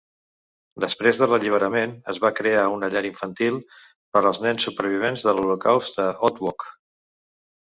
Després de l"alliberament, es va crear una llar infantil per als nens supervivents de l"holocaust a Otwock.